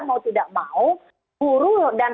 mau tidak mau buru dan